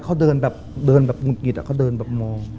เขาเดินแบบหงุดหงิดเขาเดินแบบมอง